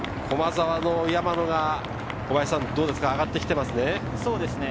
駒澤の山野が上がってきていますね。